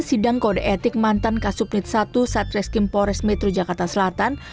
sidang kode etik mantan kasupnit i satreskim pores metro jakarta selatan